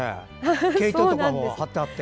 毛糸とかも貼ってあって。